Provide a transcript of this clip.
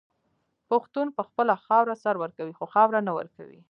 پښتون په خپله خاوره سر ورکوي خو خاوره نه ورکوي.